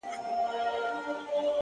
• ته مي غوښي پرې کوه زه په دعا یم ,